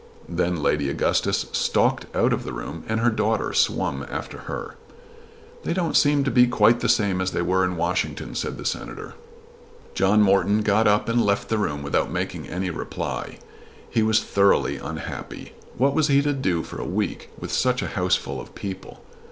Then Lady Augustus stalked out of the room and her daughter swum after her. "They don't seem to be quite the same as they were in Washington," said the Senator. John Morton got up and left the room without making any reply. He was thoroughly unhappy. What was he to do for a week with such a houseful of people?